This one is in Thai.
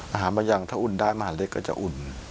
บางอย่างถ้าอุ่นได้มหาเล็กก็จะอุ่น